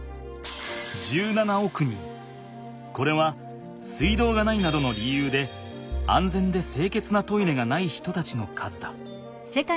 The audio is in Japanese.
これは水道がないなどの理由で安全で清潔なトイレがない人たちの数だ。